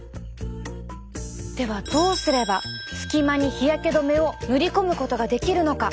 ではどうすれば隙間に日焼け止めを塗り込むことができるのか？